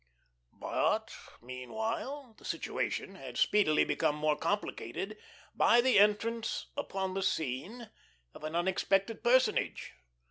But, meanwhile, the situation had speedily become more complicated by the entrance upon the scene of an unexpected personage.